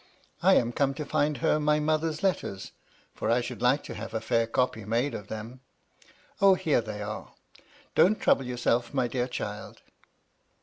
I am come to find her my mother's letters, for I should like to have a fair copy made of them. O, here they are ! don't trouble yourself, my dear child."